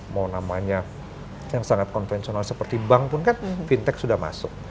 mau namanya yang sangat konvensional seperti bank pun kan fintech sudah masuk